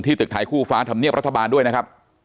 ที่ตึกท้ายคู่ฟ้าทำเนียบรัฐบาลด้วยนะครับ